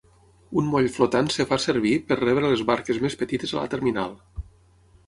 Un moll flotant es fa servir per rebre les barques més petites a la terminal.